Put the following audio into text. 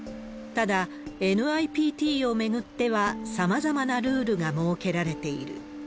ただ、ＮＩＰＴを巡っては、さまざまなルールが設けられている。